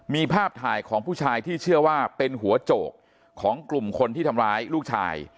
มีภาพถ่ายของผู้ชายที่เชื่อว่าเป็นหัวโจกของกลุ่มคนที่ทำร้ายลูกชาย